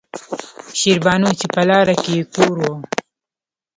شېربانو چې پۀ لاره کښې يې کور وۀ